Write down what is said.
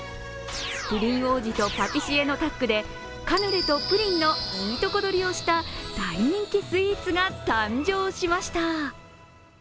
プリン王子とパティシエのタッグで、カヌレとプリンのいいとこどりをした大人気スイーツが誕生しました。